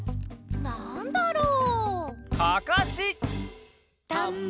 「なんだろう？」